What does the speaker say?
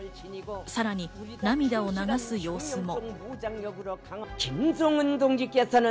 さらに涙を流す様子も。